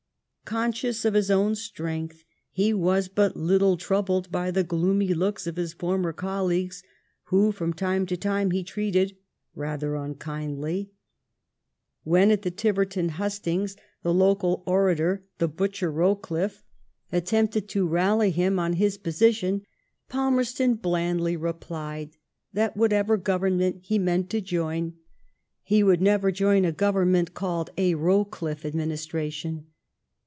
Conscious of his own strength, he was but little troubled by the gloomy looks of his former col* leagues, whom from time to time he treated rather un kindly. When at the Tiverton hustings, the local orator PALMEE8T0N AND THE OOUBT. 146 the batcher, Bowcliffe, attempted to rally him on his position^ Palmerston blandly replied that whatever Gro Temment he meant to join, he would never join a Government called a Bowcli£fe Administration.